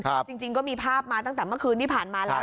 จริงก็มีภาพมาตั้งแต่เมื่อคืนที่ผ่านมาแล้ว